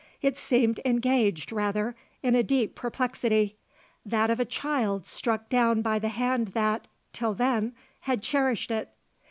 It seemed engaged, rather, in a deep perplexity that of a child struck down by the hand that, till then, had cherished it.